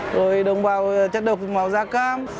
rồi đồng bào chất độc màu da cam